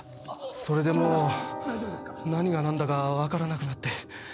それでもう何がなんだかわからなくなって。